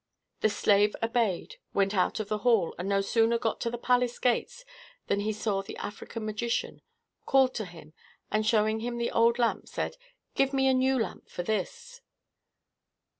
The slave obeyed, went out of the hall, and no sooner got to the palace gates than he saw the African magician, called to him, and, showing him the old lamp, said, "Give me a new lamp for this."